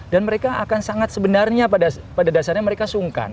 dan mereka akan sangat sebenarnya pada dasarnya mereka sungkan